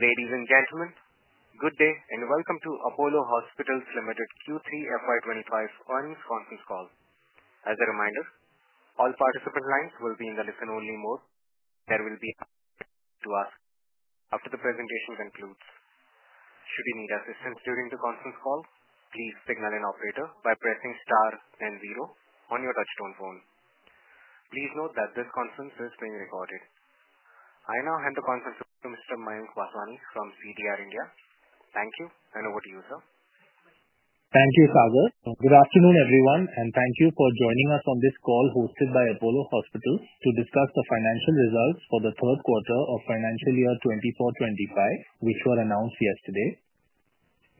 Ladies and gentlemen, good day and welcome to Apollo Hospitals Limited Q3 FY 2025 earnings conference call. As a reminder, all participant lines will be in the listen-only mode. There will be an operator to ask after the presentation concludes. Should you need assistance during the conference call, please signal an operator by pressing star then zero on your touch-tone phone. Please note that this conference is being recorded. I now hand the conference over to Mr. Mayank Vaswani from CDR India. Thank you, and over to you, sir. Thank you, Vaswani. Good afternoon, everyone, and thank you for joining us on this call hosted by Apollo Hospitals to discuss the financial results for the third quarter of financial year 2024-2025, which were announced yesterday.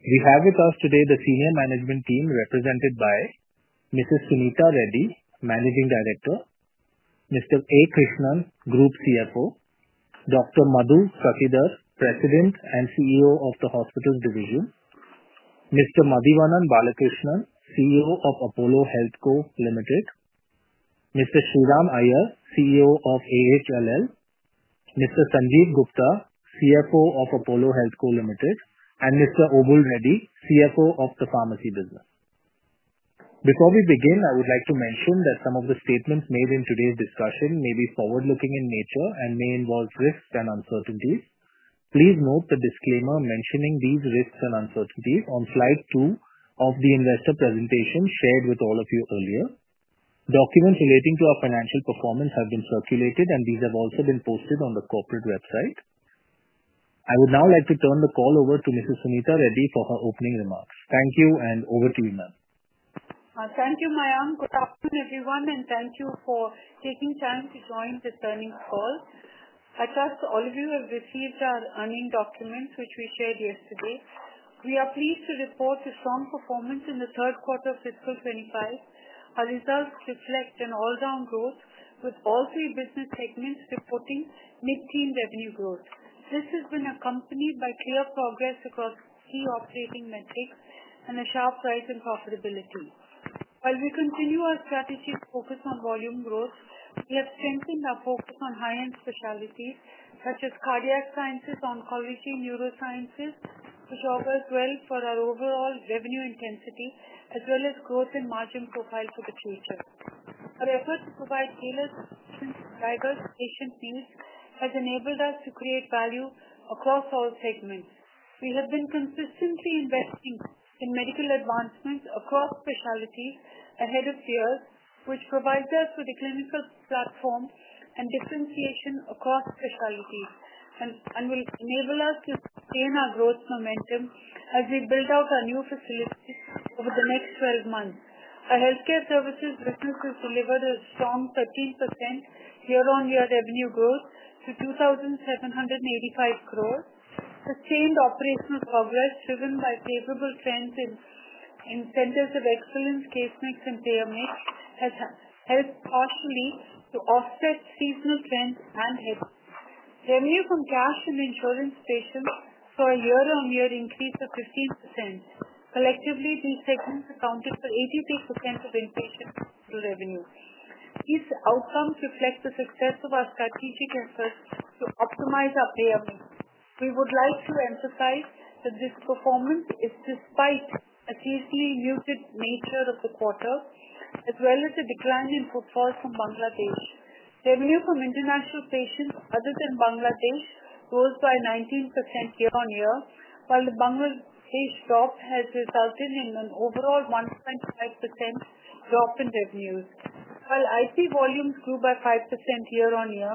We have with us today the senior management team represented by Mrs. Suneeta Reddy, Managing Director, Mr. A. Krishnan, Group CFO, Dr. Madhu Sasidhar, President and CEO of the Hospitals Division, Mr. Madhivanan Balakrishnan, CEO of Apollo HealthCo Limited, Mr. Sriram Iyer, CEO of AHLL, Mr. Sanjiv Gupta, CFO of Apollo HealthCo Limited, and Mr. Obul Reddy, CFO of the pharmacy business. Before we begin, I would like to mention that some of the statements made in today's discussion may be forward-looking in nature and may involve risks and uncertainties. Please note the disclaimer mentioning these risks and uncertainties on slide two of the investor presentation shared with all of you earlier. Documents relating to our financial performance have been circulated, and these have also been posted on the corporate website. I would now like to turn the call over to Mrs. Suneeta Reddy for her opening remarks. Thank you, and over to you, ma'am. Thank you, Mayank. Good afternoon, everyone, and thank you for taking time to join this earnings call. At last, all of you have received our earnings documents, which we shared yesterday. We are pleased to report a strong performance in the third quarter of fiscal 2025. Our results reflect an all-around growth, with all three business segments reporting mid-teens revenue growth. This has been accompanied by clear progress across key operating metrics and a sharp rise in profitability. While we continue our strategy focused on volume growth, we have strengthened our focus on high-end specialties such as cardiac sciences, oncology, and neurosciences, which all work well for our overall revenue intensity as well as growth in margin profile for the future. Our efforts to provide tailored solutions to diverse patient needs have enabled us to create value across all segments. We have been consistently investing in medical advancements across specialties ahead of years, which provides us with a clinical platform and differentiation across specialties and will enable us to sustain our growth momentum as we build out our new facilities over the next 12 months. Our healthcare services business has delivered a strong 13% year-on-year revenue growth to 2,785 crores. Sustained operational progress driven by favorable trends in centers of excellence, case mix, and payer mix has helped partially to offset seasonal trends and revenue from cash and insurance patients for a year-on-year increase of 15%. Collectively, these segments accounted for 83% of inpatient hospital revenue. These outcomes reflect the success of our strategic efforts to optimize our payer mix. We would like to emphasize that this performance is despite a seasonally muted nature of the quarter, as well as a decline in footfall from Bangladesh. Revenue from international patients other than Bangladesh rose by 19% year-on-year, while the Bangladesh drop has resulted in an overall 1.5% drop in revenues. While IP volumes grew by 5% year-on-year,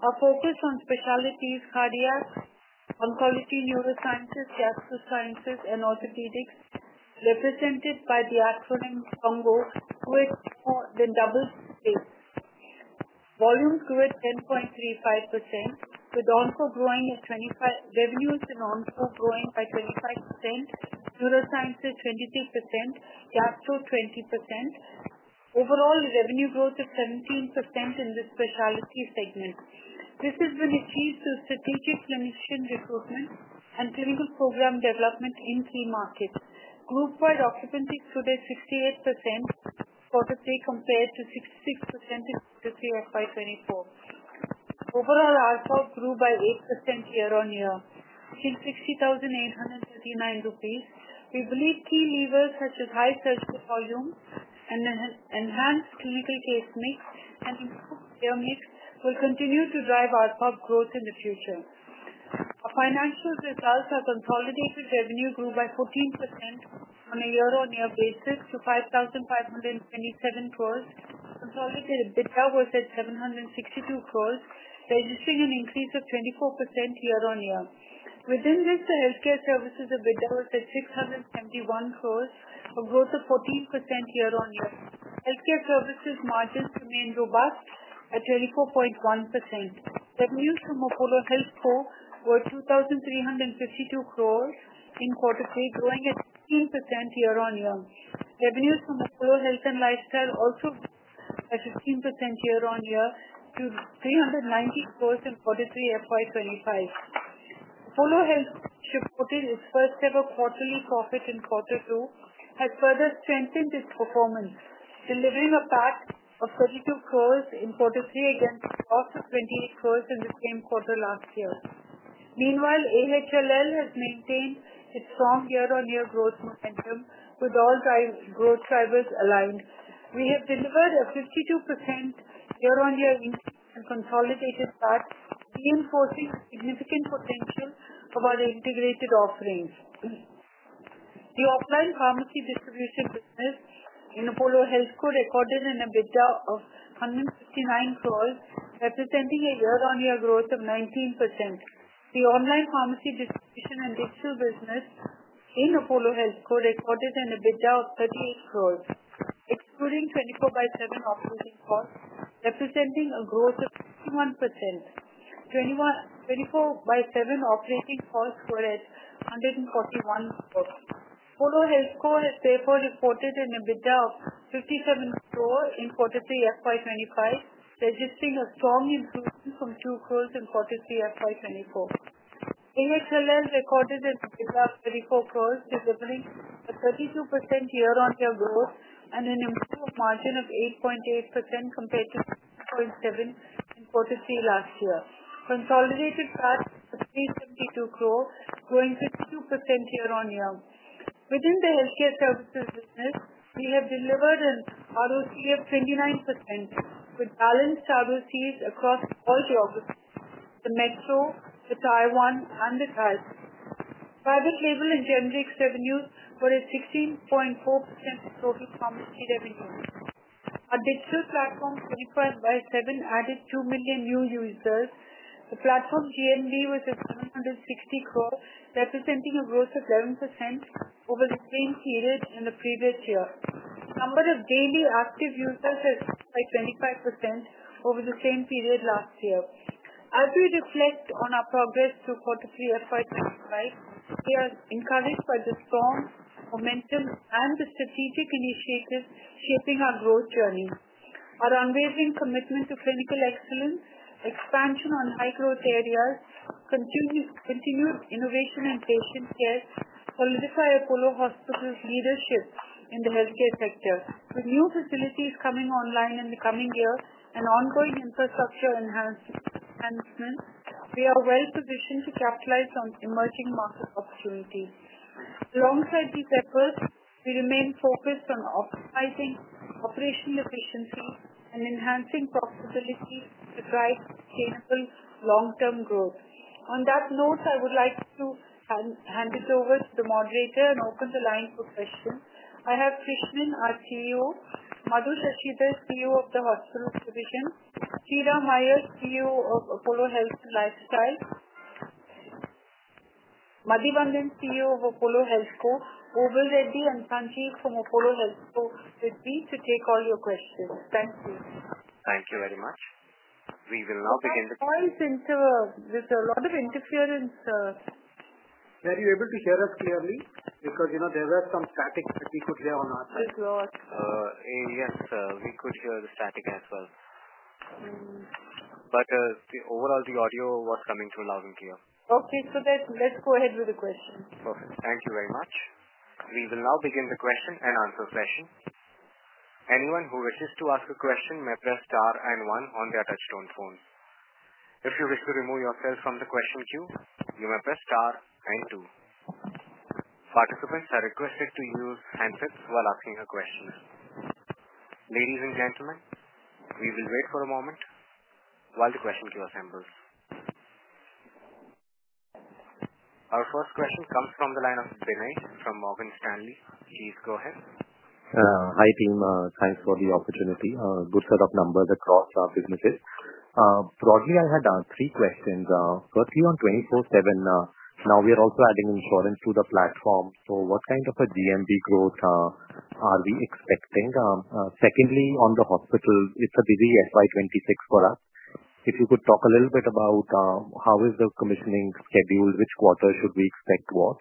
our focus on specialties (cardiac, oncology, neurosciences, gastro-sciences, and orthopedics) represented by the acronym CONGO grew at more than double pace. Volumes grew at 10.35%, with oncology revenues in oncology by 25%, neurosciences 23%, gastro 20%, overall revenue growth of 17% in the specialty segment. This has been achieved through strategic clinician recruitment and clinical program development in key markets. Group-wide occupancy was 68% in quarter three compared to 66% in quarter three FY 2024. Overall, our ARPOB grew by 8% year-on-year, reaching 60,839 rupees. We believe key levers such as high surgical volume, enhanced clinical case mix, and improved payer mix will continue to drive ARPOB growth in the future. Our financial results are consolidated revenue grew by 14% on a year-on-year basis to 5,527 crores. Consolidated EBITDA was at 762 crores, registering an increase of 24% year-on-year. Within this, the healthcare services EBITDA was at 671 crores, a growth of 14% year-on-year. Healthcare services margins remained robust at 24.1%. Revenues from Apollo HealthCo were 2,352 crores in quarter three, growing at 15% year-on-year. Revenues from Apollo Health and Lifestyle also grew by 15% year-on-year to INR 390 crores in quarter three FY 2025. Apollo Health, which reported its first-ever quarterly profit in quarter two, has further strengthened its performance, delivering a PAT of 32 crores in quarter three against a loss of 28 crores in the same quarter last year. Meanwhile, AHLL has maintained its strong year-on-year growth momentum with all growth drivers aligned. We have delivered a 52% year-on-year increase in consolidated PAT, reinforcing the significant potential of our integrated offerings. The offline pharmacy distribution business in Apollo HealthCo recorded an EBITDA of 159 crores, representing a year-on-year growth of 19%. The online pharmacy distribution and digital business in Apollo HealthCo recorded an EBITDA of 38 crores, excluding 24/7 operating costs, representing a growth of 51%. 24/7 operating costs were at 141 crores. Apollo HealthCo has therefore reported an EBITDA of 57 crores in quarter three FY 2025, registering a strong improvement from 2 crores in quarter three FY 2024. AHLL recorded an EBITDA of 34 crores, delivering a 32% year-on-year growth and an improved margin of 8.8% compared to 16.7% in quarter three last year. Consolidated PAT was INR 372 crores, growing 52% year-on-year. Within the healthcare services business, we have delivered an ROCE of 29% with balanced ROCEs across all geographies: the metro, the Tier 2, and the Tier 3s. Private label and generics revenues were at 16.4% of total pharmacy revenue. Our digital platform Apollo 24/7 added 2 million new users. The platform GMV was at 760 crores, representing a growth of 11% over the same period in the previous year. The number of daily active users has grown by 25% over the same period last year. As we reflect on our progress through quarter three FY 2025, we are encouraged by the strong momentum and the strategic initiatives shaping our growth journey. Our unwavering commitment to clinical excellence, expansion on high-growth areas, continued innovation in patient care, solidify Apollo Hospitals' leadership in the healthcare sector. With new facilities coming online in the coming year and ongoing infrastructure enhancements, we are well-positioned to capitalize on emerging market opportunities. Alongside these efforts, we remain focused on optimizing operational efficiency and enhancing profitability to drive sustainable long-term growth. On that note, I would like to hand it over to the moderator and open the line for questions. I have Krishnan, our CEO, Madhu Sasidhar, CEO of the Hospitals Division, Sriram Iyer, CEO of Apollo Health and Lifestyle, Madhivanan, CEO of Apollo HealthCo, Obul Reddy and Sanjiv from Apollo HealthCo with me to take all your questions. Thank you. Thank you very much. We will now begin the. Sorry, there's a lot of interference. Were you able to hear us clearly? Because there were some static that we could hear on our side. It was. Yes, we could hear the static as well, but overall, the audio was coming through loud and clear. Okay, so let's go ahead with the questions. Perfect. Thank you very much. We will now begin the question and answer session. Anyone who wishes to ask a question may press star and one on their touch-tone phone. If you wish to remove yourself from the question queue, you may press star and two. Participants are requested to use handsets while asking a question. Ladies and gentlemen, we will wait for a moment while the question queue assembles. Our first question comes from the line of Binay from Morgan Stanley. Please go ahead. Hi, team. Thanks for the opportunity. A good set of numbers across our businesses. Broadly, I had three questions. Firstly, on 24/7, now we are also adding insurance to the platform. So what kind of a GMV growth are we expecting? Secondly, on the hospitals, it's a busy FY 2026 for us. If you could talk a little bit about how is the commissioning scheduled, which quarter should we expect what?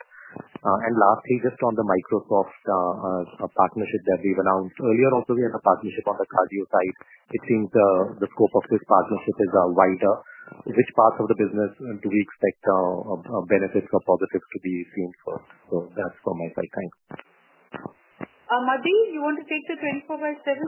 And lastly, just on the Microsoft partnership that we've announced. Earlier, also, we had a partnership on the cardio side. It seems the scope of this partnership is wider. Which parts of the business do we expect benefits or positives to be seen first? So that's from my side. Thanks. Madhi, you want to take the 24/7?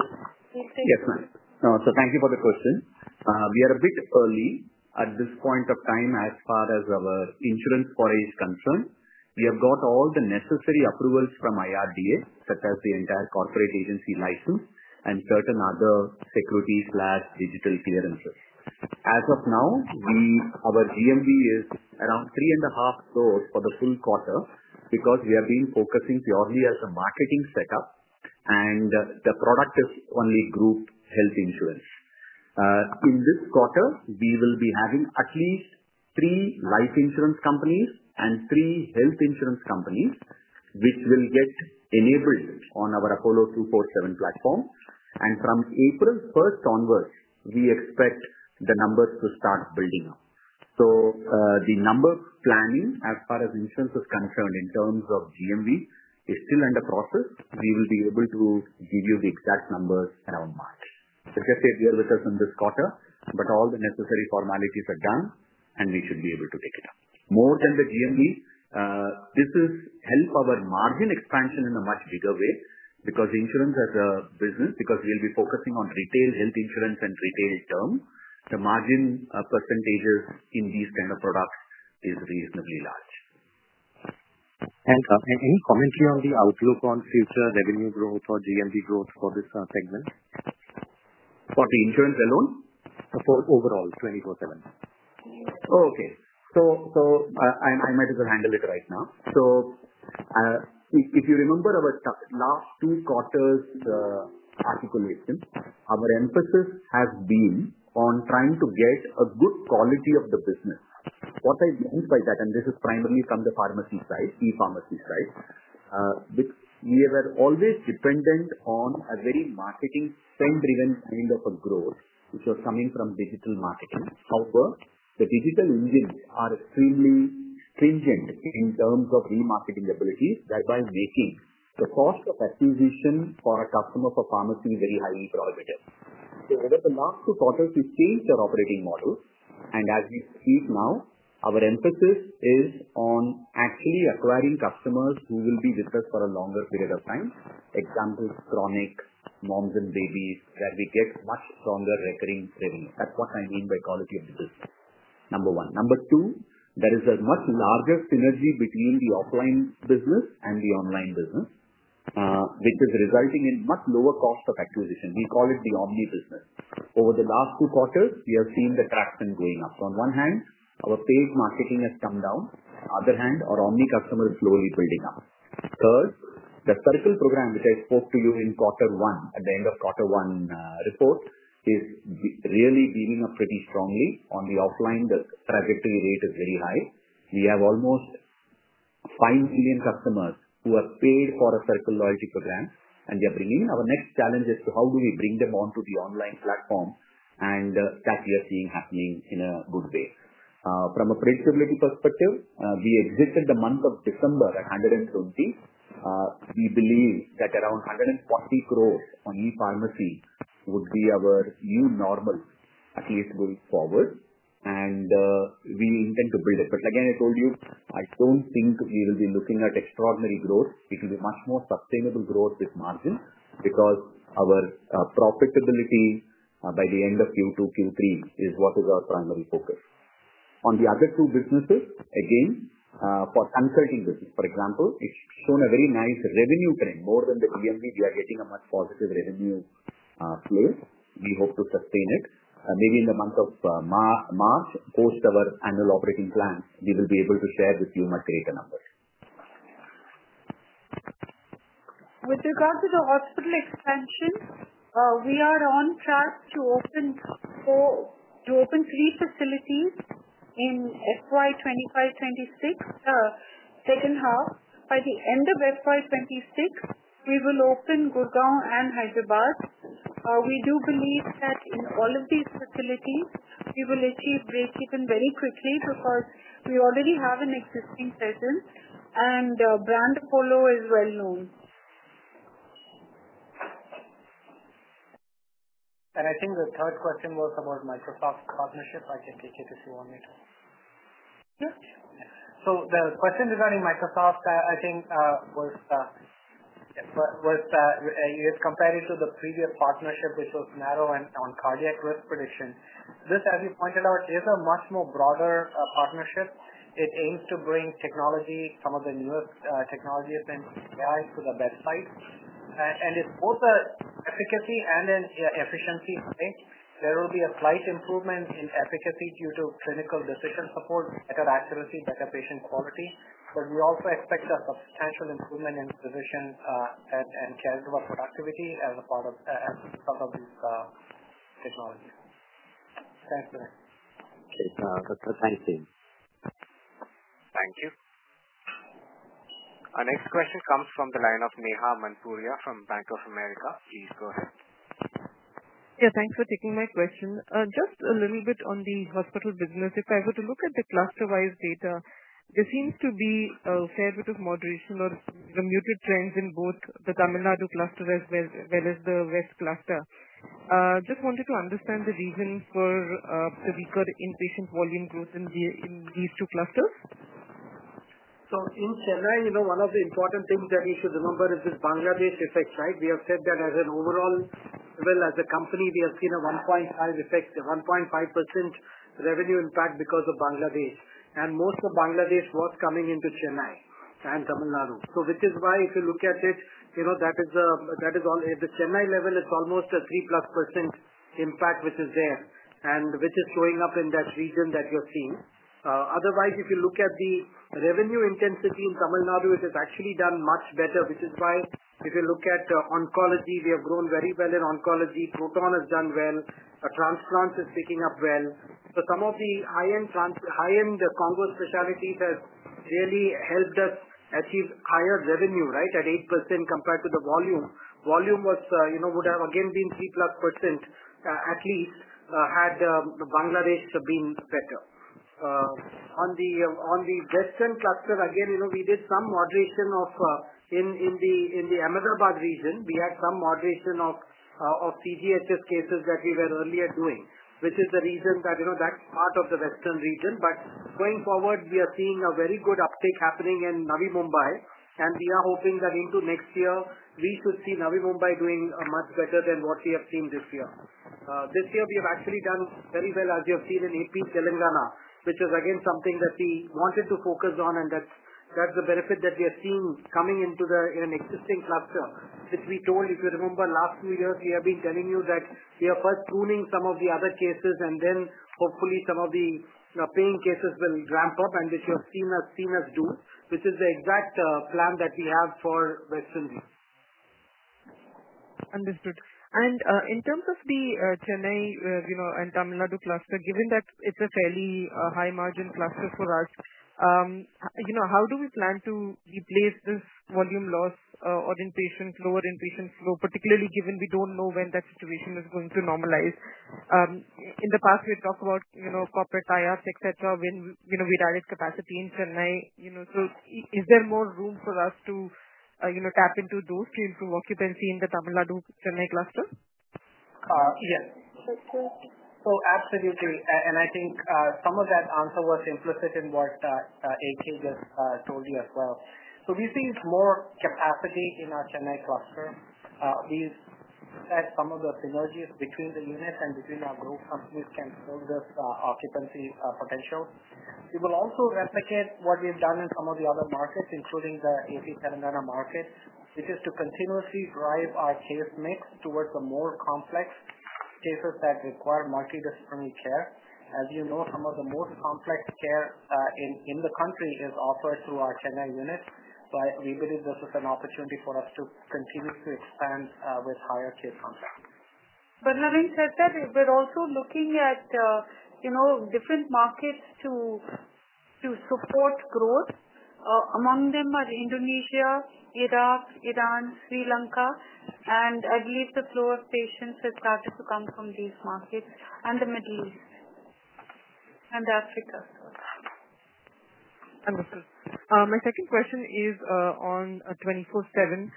Yes, ma'am. So thank you for the question. We are a bit early at this point of time as far as our insurance forays are concerned. We have got all the necessary approvals from IRDA, such as the entire corporate agency license and certain other security/digital clearances. As of now, our GMV is around 3.5 crore for the full quarter because we have been focusing purely as a marketing setup, and the product is only group health insurance. In this quarter, we will be having at least three life insurance companies and three health insurance companies, which will get enabled on our Apollo 24/7 platform. And from April 1st onwards, we expect the numbers to start building up. So the number planning as far as insurance is concerned in terms of GMV is still under process. We will be able to give you the exact numbers around March. It's just a year with us in this quarter, but all the necessary formalities are done, and we should be able to take it up. More than the GMV, this will help our margin expansion in a much bigger way because insurance as a business, because we'll be focusing on retail health insurance and retail term, the margin percentages in these kinds of products are reasonably large. Any commentary on the outlook on future revenue growth or GMV growth for this segment? For the insurance alone? For overall 24/7? Okay. So I might as well handle it right now. So if you remember our last two quarters articulation, our emphasis has been on trying to get a good quality of the business. What I meant by that, and this is primarily from the pharmacy side, e-pharmacy side, we were always dependent on a very marketing-centered kind of growth, which was coming from digital marketing. However, the digital engines are extremely stringent in terms of remarketing abilities, thereby making the cost of acquisition for a customer for pharmacy very highly prohibitive. So over the last two quarters, we've changed our operating model. And as we speak now, our emphasis is on actually acquiring customers who will be with us for a longer period of time, example, chronic moms and babies where we get much stronger recurring revenue. That's what I mean by quality of the business, number one. Number two, there is a much larger synergy between the offline business and the online business, which is resulting in much lower cost of acquisition. We call it the omni business. Over the last two quarters, we have seen the traction going up. So on one hand, our paid marketing has come down. On the other hand, our omni customers are slowly building up. Third, the Circle program, which I spoke to you in quarter one, at the end of quarter one report, is really beaming up pretty strongly. On the offline, the trajectory rate is very high. We have almost five million customers who are paid for a Circle loyalty program, and they are bringing in. Our next challenge is how do we bring them onto the online platform, and that we are seeing happening in a good way. From a predictability perspective, we exited the month of December at 120 crores. We believe that around 140 crores on e-pharmacy would be our new normal at least going forward, and we intend to build it. But again, I told you, I don't think we will be looking at extraordinary growth. It will be much more sustainable growth with margins because our profitability by the end of Q2, Q3 is what is our primary focus. On the other two businesses, again, for consulting business, for example, it's shown a very nice revenue trend. More than the GMV, we are getting a much positive revenue slope. We hope to sustain it. Maybe in the month of March, post our annual operating plan, we will be able to share with you much greater numbers. With regard to the hospital expansion, we are on track to open three facilities in FY 2025-2026, the second half. By the end of FY 2026, we will open Gurugram and Hyderabad. We do believe that in all of these facilities, we will achieve break-even very quickly because we already have an existing presence, and brand Apollo is well-known. I think the third question was about Microsoft partnership. I can take it if you want me to. Yes, sure. The question regarding Microsoft, I think, was compared to the previous partnership, which was narrow and on cardiac risk prediction. This, as you pointed out, is a much more broader partnership. It aims to bring technology, some of the newest technologies and AI to the bedside. And it's both an efficacy and an efficiency thing. There will be a slight improvement in efficacy due to clinical decision support, better accuracy, better patient quality. But we also expect a substantial improvement in physician and caregiver productivity as a part of these technologies. Thanks, Madhu. Okay. Thanks, team. Thank you. Our next question comes from the line of Neha Manpuria from Bank of America. Please go ahead. Yeah. Thanks for taking my question. Just a little bit on the hospital business. If I were to look at the cluster-wise data, there seems to be a fair bit of moderation or muted trends in both the Tamil Nadu cluster as well as the West cluster. Just wanted to understand the reason for the weaker inpatient volume growth in these two clusters. So in Chennai, one of the important things that you should remember is this Bangladesh effect, right? We have said that as an overall, as well as a company, we have seen a 1.5% effect, 1.5% revenue impact because of Bangladesh. And most of Bangladesh was coming into Chennai and Tamil Nadu. So which is why, if you look at it, that is all at the Chennai level, it's almost a 3+% impact which is there, and which is showing up in that region that you're seeing. Otherwise, if you look at the revenue intensity in Tamil Nadu, it has actually done much better, which is why if you look at oncology, we have grown very well in oncology. Proton has done well. Transplants are picking up well. Some of the high-end CONGO specialties have really helped us achieve higher revenue, right, at 8% compared to the volume. Volume would have again been 3% plus at least had Bangladesh been better. On the Western cluster, again, we did some moderation in the Ahmedabad region. We had some moderation of CGHS cases that we were earlier doing, which is the reason that that's part of the Western region. But going forward, we are seeing a very good uptake happening in Navi Mumbai, and we are hoping that into next year, we should see Navi Mumbai doing much better than what we have seen this year. This year, we have actually done very well, as you have seen in AP Telangana, which is again something that we wanted to focus on, and that's the benefit that we are seeing coming into an existing cluster, which we told, if you remember, last few years, we have been telling you that we are first pruning some of the other cases, and then hopefully some of the paying cases will ramp up, and which you have seen us do, which is the exact plan that we have for Western region. Understood, and in terms of the Chennai and Tamil Nadu cluster, given that it's a fairly high-margin cluster for us, how do we plan to replace this volume loss or lower inpatient flow, particularly given we don't know when that situation is going to normalize? In the past, we had talked about corporate tie-ups, etc., when we added capacity in Chennai. So is there more room for us to tap into those to improve occupancy in the Tamil Nadu-Chennai cluster? Yes. So absolutely. And I think some of that answer was implicit in what AK just told you as well. So we see more capacity in our Chennai cluster. We said some of the synergies between the units and between our group companies can hold this occupancy potential. We will also replicate what we've done in some of the other markets, including the AP Telangana market, which is to continuously drive our case mix towards the more complex cases that require multidisciplinary care. As you know, some of the most complex care in the country is offered through our Chennai units. So we believe this is an opportunity for us to continue to expand with higher case complexity. But having said that, we're also looking at different markets to support growth. Among them are Indonesia, Iraq, Iran, Sri Lanka, and I believe the flow of patients has started to come from these markets and the Middle East and Africa. Understood. My second question is on 24/7.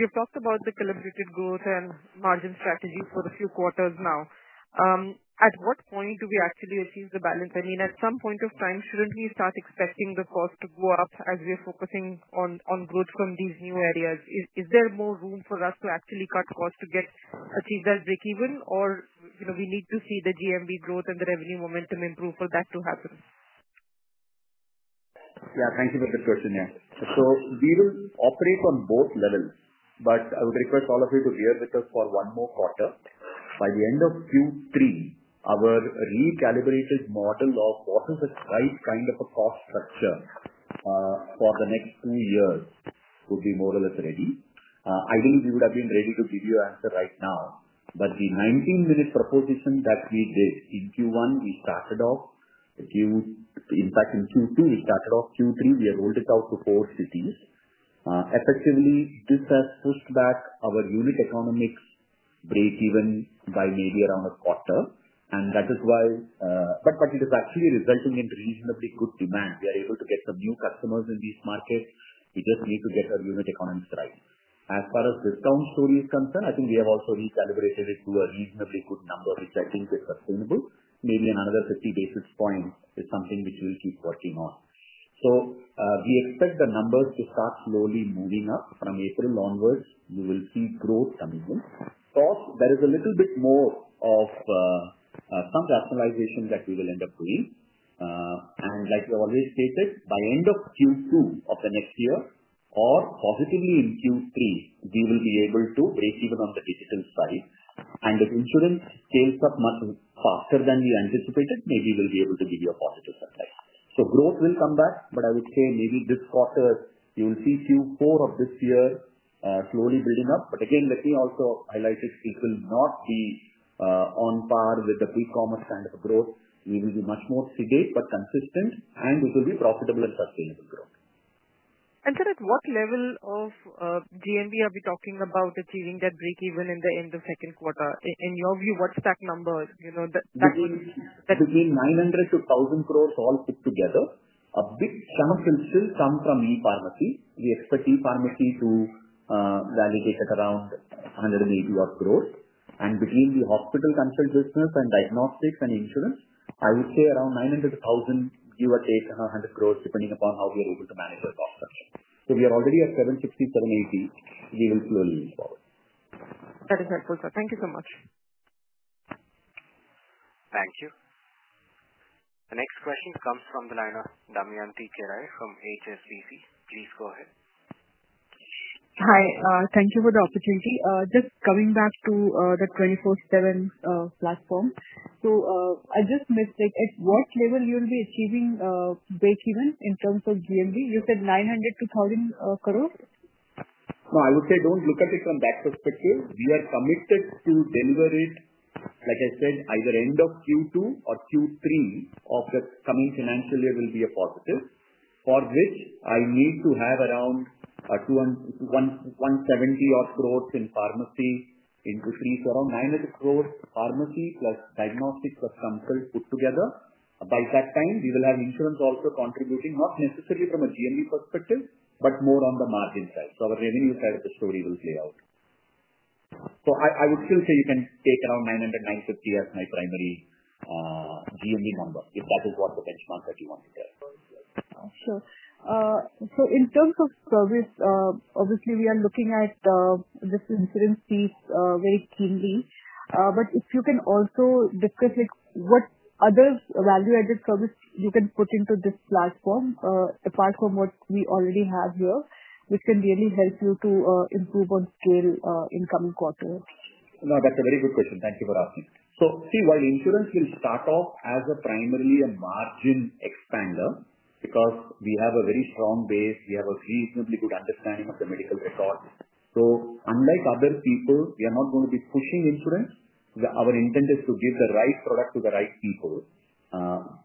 You've talked about the calibrated growth and margin strategy for a few quarters now. At what point do we actually achieve the balance? I mean, at some point of time, shouldn't we start expecting the cost to go up as we're focusing on growth from these new areas? Is there more room for us to actually cut costs to achieve that break-even, or we need to see the GMV growth and the revenue momentum improve for that to happen? Yeah. Thank you for this question, yeah. We will operate on both levels, but I would request all of you to bear with us for one more quarter. By the end of Q3, our recalibrated model of what is the right kind of a cost structure for the next two years would be more or less ready. I believe we would have been ready to give you an answer right now, but the 90-minute proposition that we did in Q1, we started off. In fact, in Q2, we started off Q3. We have rolled it out to four cities. Effectively, this has pushed back our unit economics break-even by maybe around a quarter, and that is why it is actually resulting in reasonably good demand. We are able to get some new customers in these markets. We just need to get our unit economics right. As far as discount story is concerned, I think we have also recalibrated it to a reasonably good number, which I think is sustainable. Maybe another 50 basis points is something which we'll keep working on, so we expect the numbers to start slowly moving up. From April onwards, we will see growth coming in. There is a little bit more of some rationalization that we will end up doing, and like we always stated, by end of Q2 of the next year or positively in Q3, we will be able to break even on the digital side. And if insurance scales up much faster than we anticipated, maybe we'll be able to give you a positive surprise, so growth will come back, but I would say maybe this quarter, you will see Q4 of this year slowly building up, but again, let me also highlight it. It will not be on par with the pre-commerce kind of growth. We will be much more sedate but consistent, and it will be profitable and sustainable growth. Sir, at what level of GMV are we talking about achieving that breakeven in the end of second quarter? In your view, what's that number? Between 900 crore to 1,000 crore all put together. A big chunk will still come from e-pharmacy. We expect e-pharmacy to validate at around 180-odd crore. And between the hospital consult business and diagnostics and insurance, I would say around 900 crore, give or take 100 crore, depending upon how we are able to manage our cost structure. So we are already at 760 crore, 780 crore. We will slowly move forward. That is helpful, sir. Thank you so much. Thank you. The next question comes from the line of Damayanti Kerai from HSBC. Please go ahead. Hi. Thank you for the opportunity. Just coming back to the 24/7 platform. So I just missed it. At what level you will be achieving break-even in terms of GMV? You said 900 crores-1,000 crores? No, I would say don't look at it from that perspective. We are committed to deliver it, like I said, either end of Q2 or Q3 of the coming financial year will be a positive, for which I need to have around 170-odd crores in pharmacy, in Q3. So around 900 crores pharmacy plus diagnostics plus consult put together. By that time, we will have insurance also contributing, not necessarily from a GMV perspective, but more on the margin side. So our revenue side of the story will play out. So I would still say you can take around 900-950 as my primary GMV number, if that is what the benchmark that you want to tell. Sure. So in terms of service, obviously, we are looking at this insurance piece very keenly. But if you can also discuss what other value-added service you can put into this platform apart from what we already have here, which can really help you to improve on scale in coming quarters? No, that's a very good question. Thank you for asking. So see, while insurance will start off as primarily a margin expander because we have a very strong base, we have a reasonably good understanding of the medical record. So unlike other people, we are not going to be pushing insurance. Our intent is to give the right product to the right people.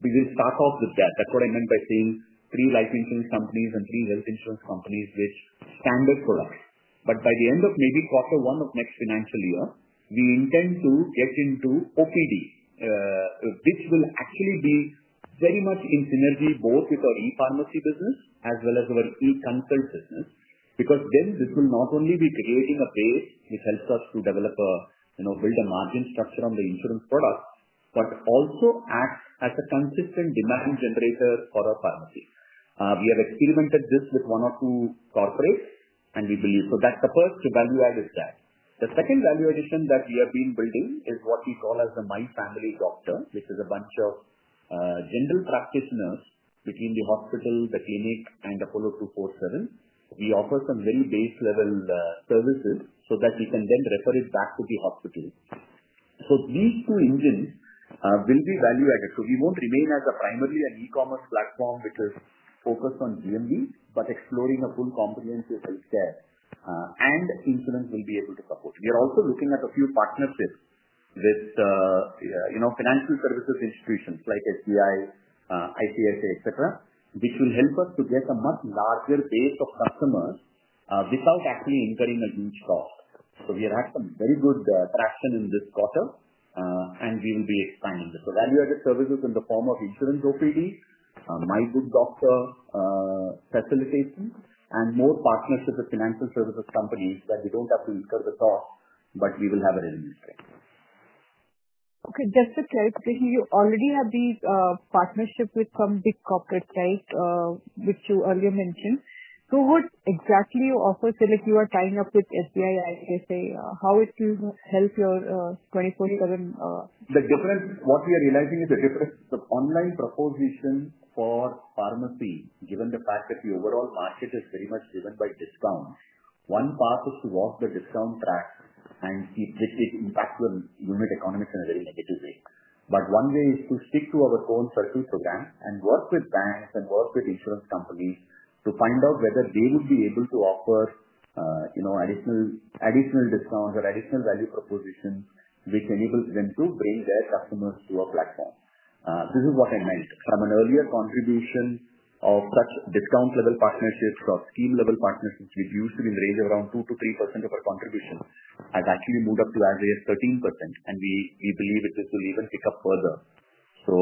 We will start off with that. That's what I meant by saying three life insurance companies and three health insurance companies, which standard products. But by the end of maybe quarter one of next financial year, we intend to get into OPD, which will actually be very much in synergy both with our e-pharmacy business as well as our e-consult business because then this will not only be creating a base which helps us to develop, build a margin structure on the insurance product, but also act as a consistent demand generator for our pharmacy. We have experimented this with one or two corporates, and we believe so that the first value-add is that. The second value-addition that we have been building is what we call as the My Family Doctor, which is a bunch of general practitioners between the hospital, the clinic, and Apollo 24/7. We offer some very base-level services so that we can then refer it back to the hospital. So these two engines will be value-added. So we won't remain as primarily an e-commerce platform which is focused on GMV, but exploring a full comprehensive healthcare. And insurance will be able to support. We are also looking at a few partnerships with financial services institutions like SBI, ICICI, etc., which will help us to get a much larger base of customers without actually incurring a huge cost. So we have had some very good traction in this quarter, and we will be expanding this. So value-added services in the form of insurance OPD, My Family Doctor facilitation, and more partnership with financial services companies that we don't have to incur the cost, but we will have a revenue stream. Okay. Just to clarify, you already have these partnerships with some big corporates, right, which you earlier mentioned. So what exactly offers you are tying up with SBI, ICICI? How it will help your 24/7? The difference, what we are realizing is the difference. The online proposition for pharmacy, given the fact that the overall market is very much driven by discounts, one path is to walk the discount track and keep it impacting the unit economics in a very negative way. But one way is to stick to our core Circle program and work with banks and work with insurance companies to find out whether they would be able to offer additional discounts or additional value propositions which enable them to bring their customers to our platform. This is what I meant. From an earlier contribution of such discount-level partnerships or scheme-level partnerships, which used to be in the range of around 2%-3% of our contribution, has actually moved up to as high as 13%, and we believe it will even pick up further. So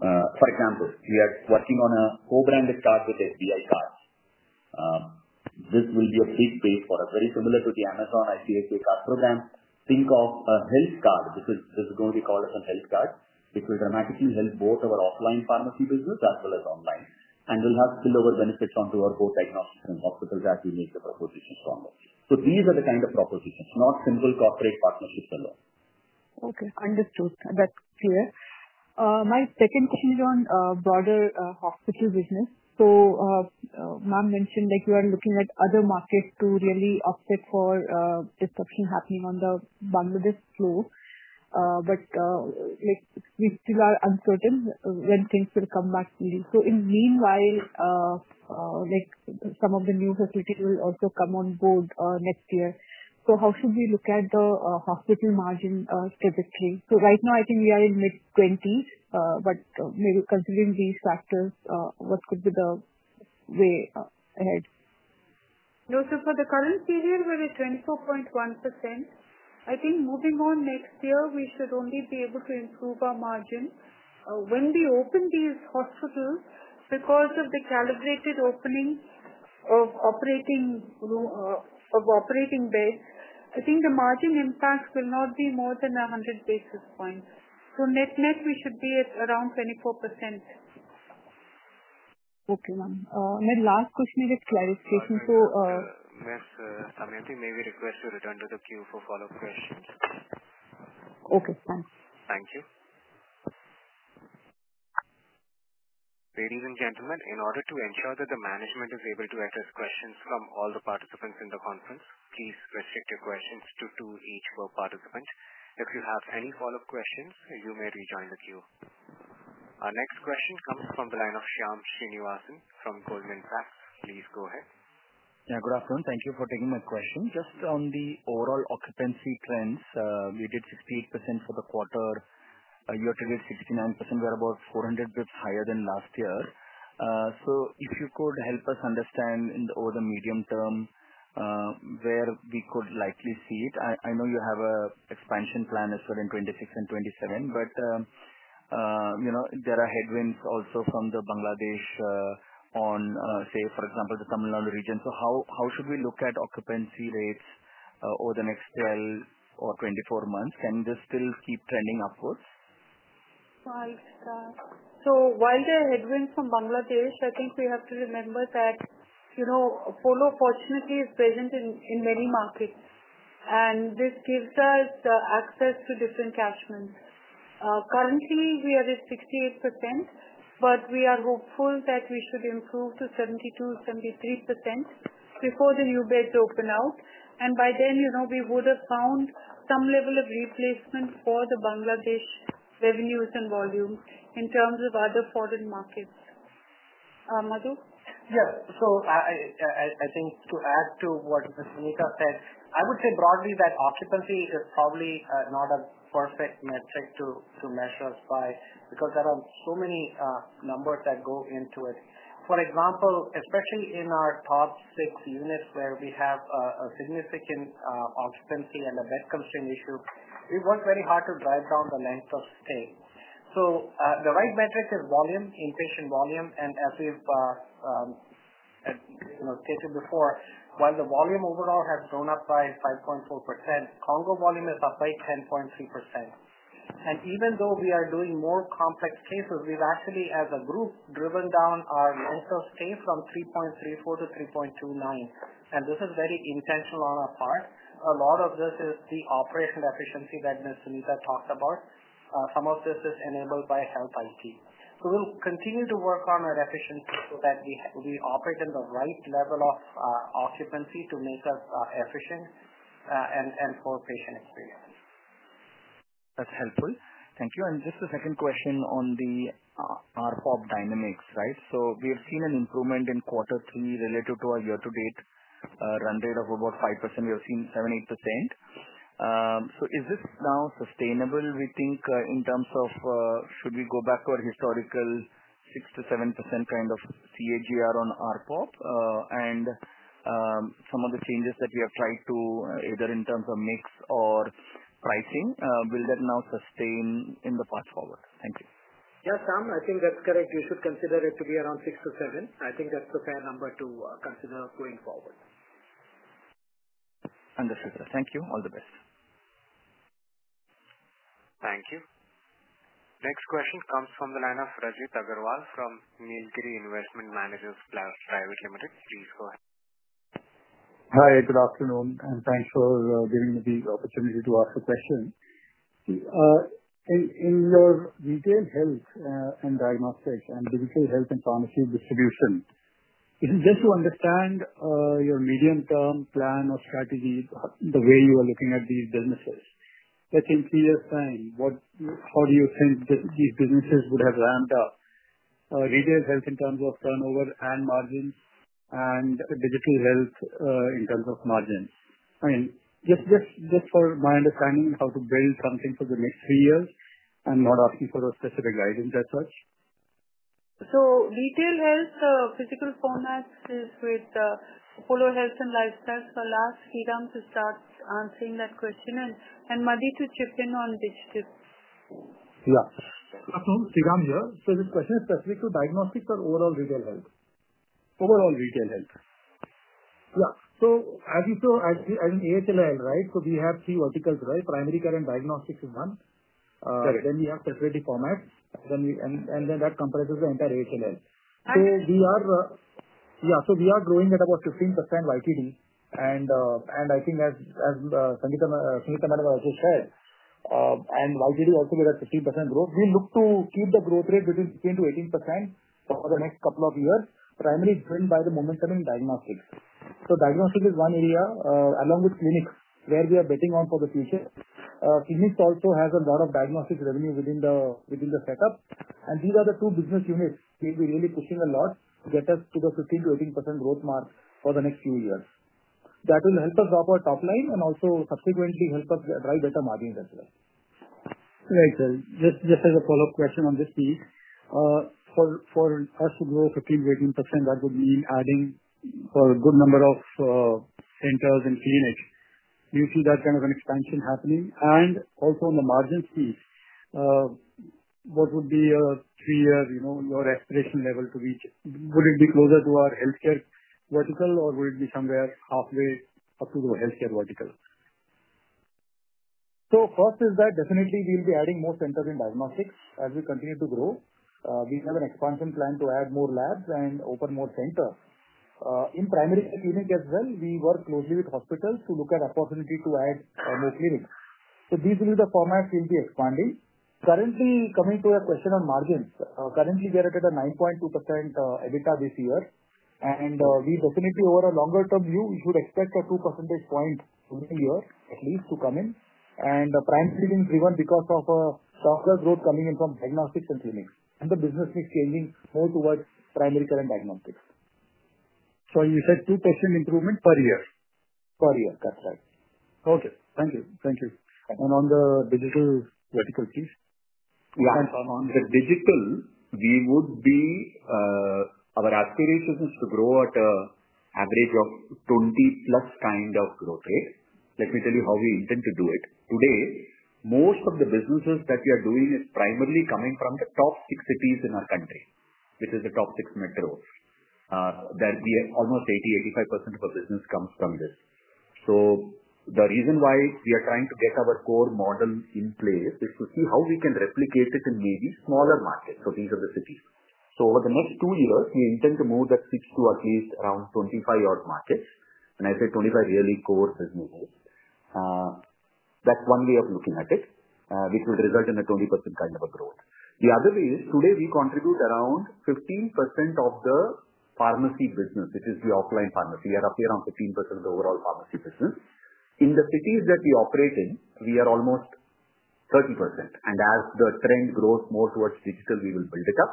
for example, we are working on a co-branded card with SBI cards. This will be a big base for us, very similar to the Amazon ICICI card program. Think of a health card. This is going to be called as a health card, which will dramatically help both our offline pharmacy business as well as online, and will have spillover benefits onto our core diagnostics and hospitals as we make the propositions stronger. So these are the kind of propositions, not simple corporate partnerships alone. Okay. Understood. That's clear. My second question is on broader hospital business. So Ma'am mentioned you are looking at other markets to really offset for disruption happening on the Bangladesh flow, but we still are uncertain when things will come back fully. So in meanwhile, some of the new facilities will also come on board next year. So how should we look at the hospital margin trajectory? So right now, I think we are in mid-20s%, but maybe considering these factors, what could be the way ahead? No, sir. For the current period, we're at 24.1%. I think moving on next year, we should only be able to improve our margin. When we open these hospitals, because of the calibrated opening of operating beds, I think the margin impact will not be more than 100 basis points. So net-net, we should be at around 24%. Okay, Ma'am. My last question is a clarification. Yes, sir. Damayanti, may we request you return to the queue for follow-up questions? Okay. Thanks. Thank you. Ladies and gentlemen, in order to ensure that the management is able to address questions from all the participants in the conference, please restrict your questions to two each per participant. If you have any follow-up questions, you may rejoin the queue. Our next question comes from the line of Shyam Srinivasan from Goldman Sachs. Please go ahead. Yeah. Good afternoon. Thank you for taking my question. Just on the overall occupancy trends, we did 68% for the quarter. Year-to-date, 69%. We are about 400 beds higher than last year. So if you could help us understand over the medium term where we could likely see it. I know you have an expansion plan as well in 2026 and 2027, but there are headwinds also from Bangladesh on, say, for example, the Tamil Nadu region. So how should we look at occupancy rates over the next 12 or 24 months? Can this still keep trending upwards? So while there are headwinds from Bangladesh, I think we have to remember that Apollo fortunately is present in many markets, and this gives us access to different catchments. Currently, we are at 68%, but we are hopeful that we should improve to 72%-73% before the new beds open out. And by then, we would have found some level of replacement for the Bangladesh revenues and volumes in terms of other foreign markets. Madhu? Yes. So I think to add to what Suneeta said, I would say broadly that occupancy is probably not a perfect metric to measure us by because there are so many numbers that go into it. For example, especially in our top six units where we have a significant occupancy and a bed constraint issue, we work very hard to drive down the length of stay, so the right metric is volume, inpatient volume, and as we've stated before, while the volume overall has grown up by 5.4%, CONGO volume is up by 10.3%, and even though we are doing more complex cases, we've actually, as a group, driven down our length of stay from 3.34 to 3.29, and this is very intentional on our part. A lot of this is the operational efficiency that Ms. Suneeta talked about. Some of this is enabled by health IT. So we'll continue to work on our efficiency so that we operate in the right level of occupancy to make us efficient and for patient experience. That's helpful. Thank you. And just a second question on the ARPOB dynamics, right? So we have seen an improvement in quarter three related to our year-to-date run rate of about 5%. We have seen 7%-8%. So is this now sustainable, we think, in terms of should we go back to our historical 6%-7% kind of CAGR on ARPOB? And some of the changes that we have tried to either in terms of mix or pricing, will that now sustain in the path forward? Thank you. Yes, Sam, I think that's correct. You should consider it to be around 6 to 7. I think that's the fair number to consider going forward. Understood. Thank you. All the best. Thank you. Next question comes from the line of Rajit Aggarwal from Nilgiri Investment Managers Private Limited. Please go ahead. Hi. Good afternoon. And thanks for giving me the opportunity to ask a question. In your retail health and diagnostics and digital health and pharmacy distribution, just to understand your medium-term plan or strategy, the way you are looking at these businesses, let's say in three years' time, how do you think these businesses would have ramped up retail health in terms of turnover and margins and digital health in terms of margins? I mean, just for my understanding, how to build something for the next three years? I'm not asking for specific guidance as such. So retail health, physical formats is with Apollo Health and Lifestyle. So I'll ask Sriram to start answering that question. And Madhi, to chip in on this shift. Yeah. So Sriram here. So this question is specific to diagnostics or overall retail health? Overall retail health. Yeah. So as you saw, as an AHLL, right, so we have three verticals, right? Primary care and diagnostics is one. Then we have saturated formats, and then that comprises the entire AHLL. So we are growing at about 15% YTD. And I think, as Sunita Madhavan also said, and YTD also with that 15% growth, we look to keep the growth rate between 15%-18% over the next couple of years, primarily driven by the momentum in diagnostics. So diagnostics is one area, along with clinics, where we are betting on for the future. Clinics also has a lot of diagnostic revenue within the setup. And these are the two business units we'll be really pushing a lot to get us to the 15%-18% growth mark for the next few years. That will help us up our top line and also subsequently help us drive better margins as well. Right. Just as a follow-up question on this piece, for us to grow 15%-18%, that would mean adding a good number of centers and clinics. Do you see that kind of an expansion happening? And also on the margins piece, what would be a three-year your aspiration level to reach? Would it be closer to our healthcare vertical, or would it be somewhere halfway up to the healthcare vertical? First is that definitely we'll be adding more centers in diagnostics as we continue to grow. We have an expansion plan to add more labs and open more centers. In primary care clinics as well, we work closely with hospitals to look at opportunity to add more clinics. So these will be the formats we'll be expanding. Currently, coming to your question on margins, currently we are at a 9.2% EBITDA this year. And we definitely, over a longer-term view, should expect a 2 percentage point within a year, at least, to come in. And the primary clinics is driven because of a stronger growth coming in from diagnostics and clinics. And the business is changing more towards primary care and diagnostics. So you said 2% improvement per year? Per year. That's right. Okay. Thank you. Thank you. And on the digital vertical piece? Yeah. On the digital, our aspiration is to grow at an average of 20-plus kind of growth rate. Let me tell you how we intend to do it. Today, most of the businesses that we are doing is primarily coming from the top six cities in our country, which is the top six metros. Almost 80%-85% of our business comes from this. So the reason why we are trying to get our core model in place is to see how we can replicate it in maybe smaller markets. So these are the cities. So over the next two years, we intend to move that 6 to at least around 25 tier-2 markets. And I say 25 really core businesses. That's one way of looking at it, which will result in a 20% kind of a growth. The other way is today we contribute around 15% of the pharmacy business, which is the offline pharmacy. We are up here on 15% of the overall pharmacy business. In the cities that we operate in, we are almost 30%. And as the trend grows more towards digital, we will build it up.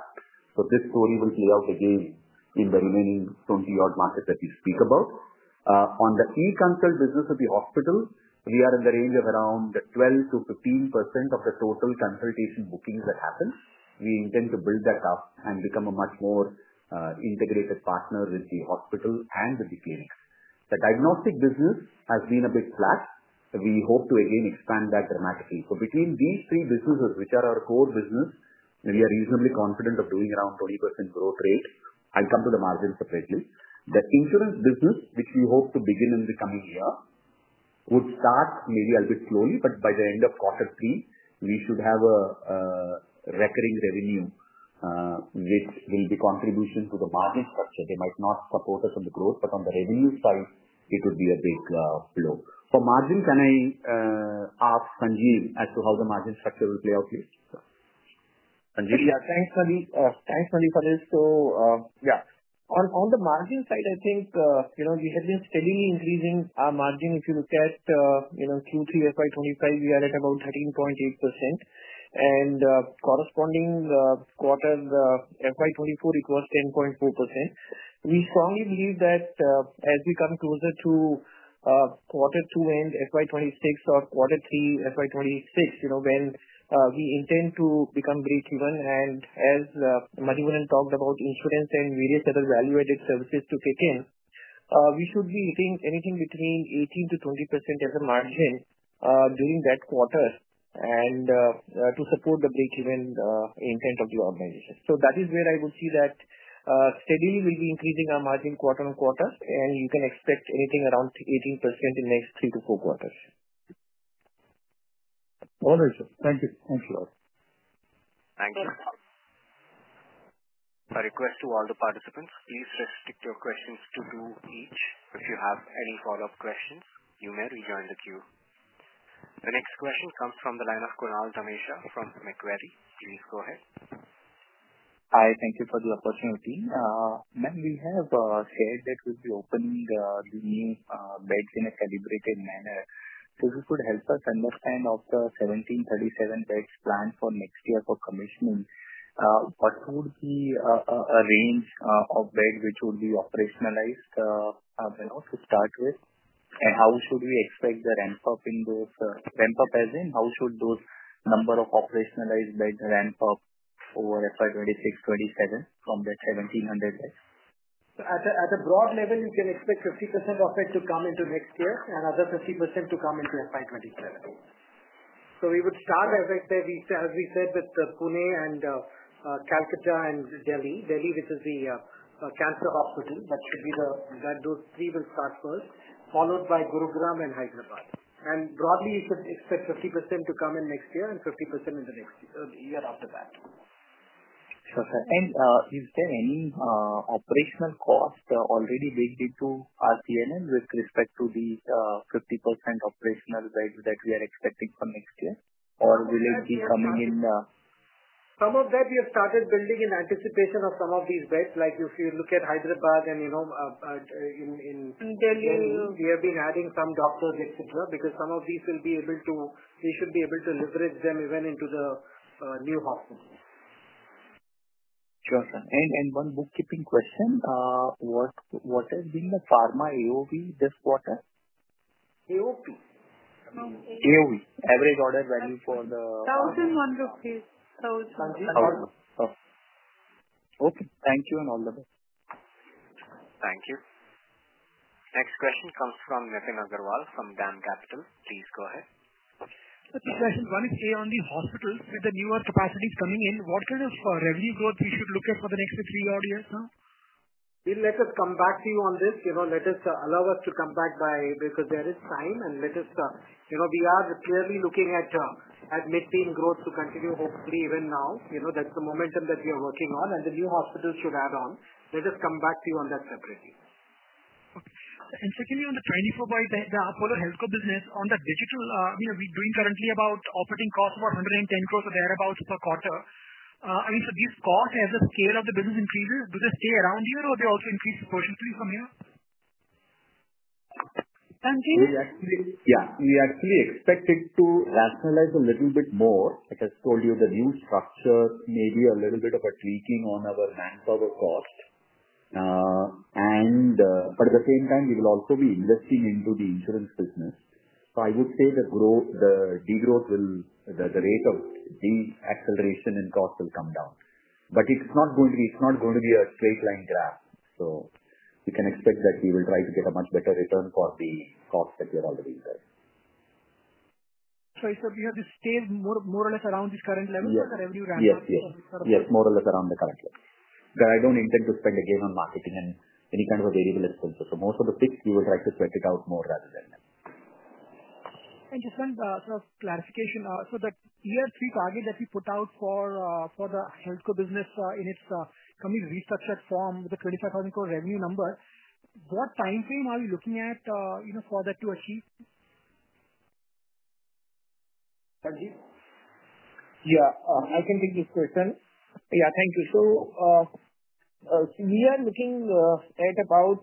So this story will play out again in the remaining 20-year-old markets that we speak about. On the e-consult business of the hospital, we are in the range of around 12%-15% of the total consultation bookings that happen. We intend to build that up and become a much more integrated partner with the hospital and with the clinics. The diagnostic business has been a bit flat. We hope to again expand that dramatically. So between these three businesses, which are our core business, we are reasonably confident of doing around 20% growth rate. I'll come to the margins separately. The insurance business, which we hope to begin in the coming year, would start maybe a bit slowly, but by the end of quarter three, we should have a recurring revenue, which will be contribution to the margin structure. They might not support us on the growth, but on the revenue side, it would be a big flow. For margin, can I ask Sanjiv as to how the margin structure will play out, please? Yeah. Thanks, Madhi. Thanks, Madhi, for this. So yeah. On the margin side, I think we have been steadily increasing our margin. If you look at Q3 FY 2025, we are at about 13.8%. And corresponding quarter, FY 2024 equals 10.4%. We strongly believe that as we come closer to quarter two and FY 2026 or quarter three, FY 2026, when we intend to become break-even, and as Madhivanan talked about, insurance and various other value-added services to kick in, we should be hitting anything between 18%-20% as a margin during that quarter to support the break-even intent of the organization. So that is where I would see that steadily we'll be increasing our margin quarter on quarter, and you can expect anything around 18% in the next three to four quarters. All right, sir. Thank you. Thanks, sir. Thank you. A request to all the participants, please restrict your questions to two each. If you have any follow-up questions, you may rejoin the queue. The next question comes from the line of Kunal Dhamesha from Macquarie. Please go ahead. Hi. Thank you for the opportunity. Madhi, we have shared that we'll be opening the new beds in a calibrated manner. If you could help us understand of the 1,737 beds planned for next year for commissioning, what would be a range of beds which would be operationalized to start with? And how should we expect the ramp-up in those as in how should those number of operationalized beds ramp up over FY 2026, 2027 from that 1,700 beds? At a broad level, you can expect 50% of it to come into next year and other 50% to come into FY 2027. We would start, as I said, with Pune and Calcutta and Delhi. Delhi, which is the cancer hospital, those three will start first, followed by Gurugram and Hyderabad. Broadly, you should expect 50% to come in next year and 50% in the year after that. Sure. And is there any operational cost already baked into our P&L with respect to the 50% operational beds that we are expecting for next year? Or will it be coming in? Some of that we have started building in anticipation of some of these beds. Like if you look at Hyderabad and in. And Delhi. We have been adding some doctors, etc., because some of these, we should be able to leverage them even into the new hospital. Sure, sir. And one bookkeeping question. What has been the pharma AOV this quarter? AOV? AOV, average order value for the. INR 1,100 crore. INR 1,100 crore. Okay. Thank you and all the best. Thank you. Next question comes from Nitin Agarwal from DAM Capital. Please go ahead. Question one is A on the hospitals. With the newer capacities coming in, what kind of revenue growth we should look at for the next three or four years now? Let us come back to you on this. Let us come back because there is time. We are clearly looking at mid-teens growth to continue, hopefully, even now. That's the momentum that we are working on. The new hospitals should add on. Let us come back to you on that separately. Okay. And secondly, on the Chennai footfall, the Apollo HealthCo business, on the digital, I mean, we're doing currently about operating costs of about 110 crores or thereabouts per quarter. I mean, so these costs, as the scale of the business increases, do they stay around here, or do they also increase proportionately from here? Sanjiv? Yeah. We actually expect it to rationalize a little bit more. Like I told you, the new structure may be a little bit of a tweaking on our manpower cost. And at the same time, we will also be investing into the insurance business. So I would say the degrowth, the rate of the acceleration in cost, will come down. But it's not going to be a straight-line graph. So we can expect that we will try to get a much better return for the cost that we are already incurring. So you said we have to stay more or less around this current level for the revenue ramp-up? Yes. Yes. Yes. More or less around the current level. But I don't intend to spend again on marketing and any kind of variable expenses. So most of the fixed, we will try to spread it out more rather than that. And just one sort of clarification. So the year three target that we put out for the healthcare business in its coming restructured form with an 25,000 crore revenue number, what timeframe are we looking at for that to achieve? Sanjeev? Yeah. I can take this question. Yeah. Thank you. So we are looking at about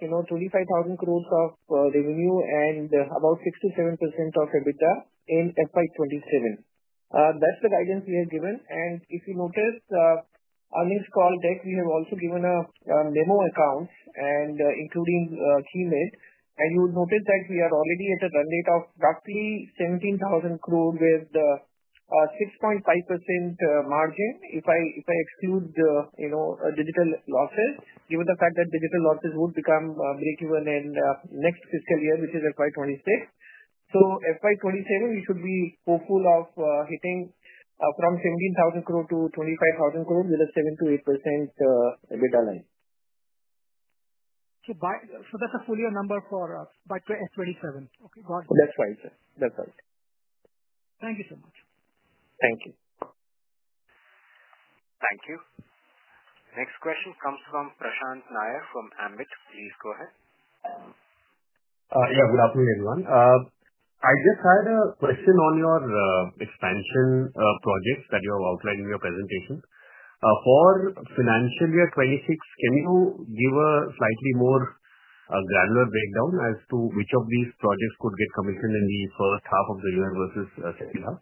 25,000 crores of revenue and about 67% of EBITDA in FY 2027. That's the guidance we have given. And if you notice, earnings call deck, we have also given a model and including Keimed. And you will notice that we are already at a run rate of roughly 17,000 crore with 6.5% margin if I exclude the digital losses, given the fact that digital losses would become break-even in next fiscal year, which is FY 2026. So FY 2027, we should be hopeful of hitting from 17,000 crore to 25,000 crore with a 7%-8% EBITDA line. So that's a fuller number for FY 2027. Okay. Got it. That's right, sir. That's right. Thank you so much. Thank you. Thank you. Next question comes from Prashant Nair from Ambit. Please go ahead. Yeah. Good afternoon, everyone. I just had a question on your expansion projects that you have outlined in your presentation. For financial year 2026, can you give a slightly more granular breakdown as to which of these projects could get commissioned in the first half of the year versus the second half?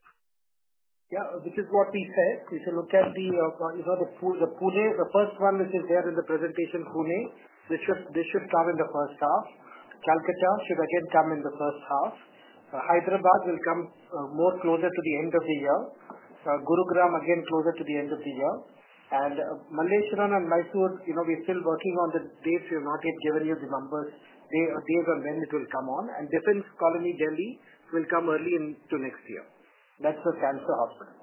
Yeah. Which is what we said. If you look at the Pune, the first one which is there in the presentation, Pune, this should come in the first half. Calcutta should again come in the first half. Hyderabad will come more closer to the end of the year. Gurugram, again, closer to the end of the year. And Malaysia and Mysore, we're still working on the dates. We have not yet given you the numbers, days on when it will come on. And Defence Colony, Delhi, will come early into next year. That's for cancer hospitals.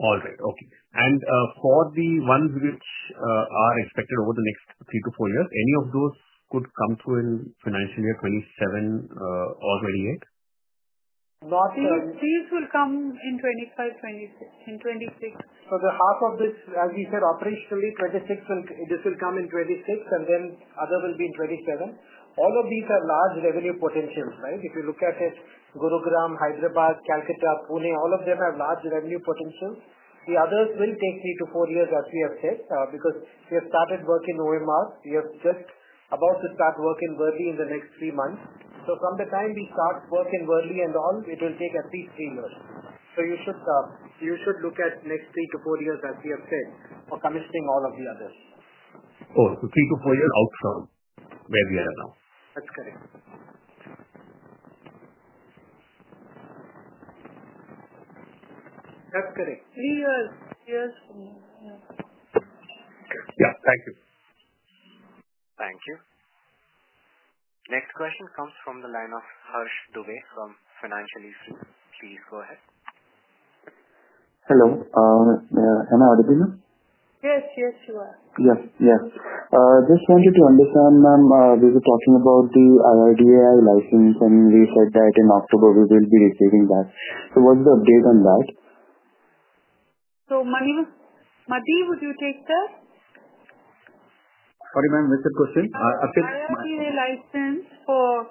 All right. Okay. And for the ones which are expected over the next three to four years, any of those could come through in financial year 2027 or 2028? These will come in 2025, 2026. So the half of this, as we said, operationally, this will come in 2026, and then other will be in 2027. All of these have large revenue potentials, right? If you look at it, Gurugram, Hyderabad, Calcutta, Pune, all of them have large revenue potentials. The others will take three to four years, as we have said, because we have started work in OMR. We are just about to start work in Worli in the next three months. So from the time we start work in Worli and all, it will take at least three years. So you should look at next three to four years, as we have said, for commissioning all of the others. Oh, so three to four years out from where we are now? That's correct. That's correct. Three years. Yeah. Yeah. Thank you. Thank you. Next question comes from the line of Harsh Dugar from Eastern Financiers. Please go ahead. Hello. Am I audible now? Yes. Yes, you are. Yes. Yes. Just wanted to understand, ma'am, we were talking about the IRDAI license, and we said that in October, we will be receiving that. So what's the update on that? So Madhi, would you take that? Sorry, ma'am. What's the question? IRDA license for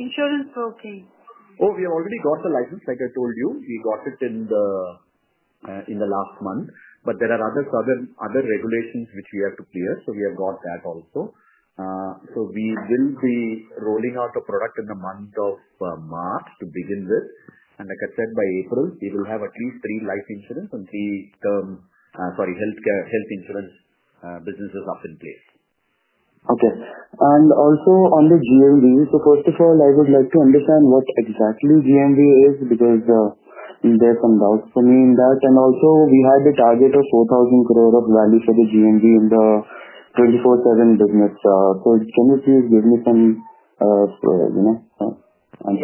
insurance booking. Oh, we have already got the license, like I told you. We got it in the last month. But there are other regulations which we have to clear. So we have got that also. So we will be rolling out a product in the month of March to begin with. And like I said, by April, we will have at least three life insurance and three health insurance businesses up in place. Okay. And also on the GMV, so first of all, I would like to understand what exactly GMV is because there are some doubts for me in that. And also, we had the target of 4,000 crore of value for the GMV in the 24/7 business. So can you please give me some answer on that? When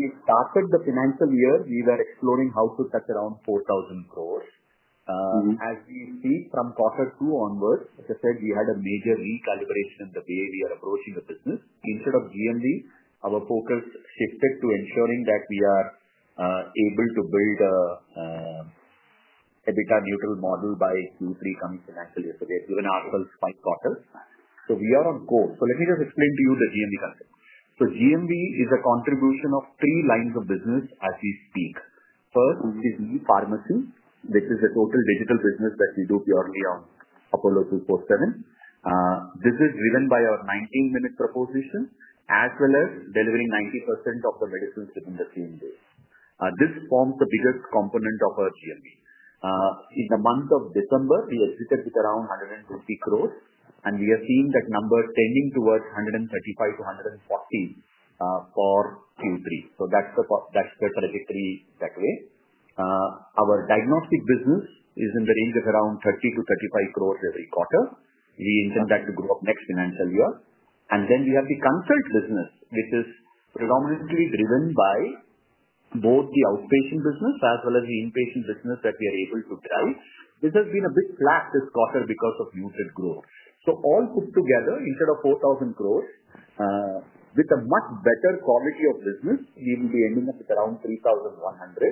we started the financial year, we were exploring how to touch around 4,000 crores. As we speak from quarter two onwards, as I said, we had a major recalibration in the way we are approaching the business. Instead of GMV, our focus shifted to ensuring that we are able to build an EBITDA-neutral model by Q3 coming financial year. So we have given ourselves five quarters. So we are on course. So let me just explain to you the GMV concept. So GMV is a contribution of three lines of business as we speak. First is the pharmacy, which is a total digital business that we do purely on Apollo 24/7. This is driven by our 19-minute proposition as well as delivering 90% of the medicines within the same day. This forms the biggest component of our GMV. In the month of December, we exited with around 150 crores, and we have seen that number tending towards 135 crores-140 crores for Q3, so that's the trajectory that way. Our diagnostic business is in the range of around 30 crores-35 crores every quarter. We intend that to grow up next financial year, and then we have the consult business, which is predominantly driven by both the outpatient business as well as the inpatient business that we are able to drive. This has been a bit flat this quarter because of muted growth, so all put together, instead of 4,000 crores, with a much better quality of business, we will be ending up with around 3,100 crores.